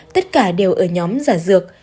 tất cả đều ở nhóm giả dược